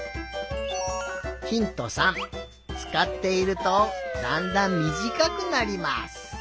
つかっているとだんだんみじかくなります。